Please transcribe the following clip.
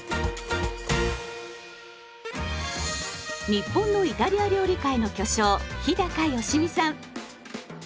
日本のイタリア料理界の巨匠日良実さん。